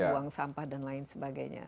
membuang sampah dan lain sebagainya